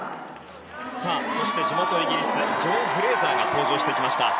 そして地元イギリスジョー・フレーザーが登場してきました。